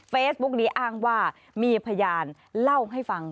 เฟซบุ๊กนี้อ้างว่ามีพยานเล่าให้ฟัง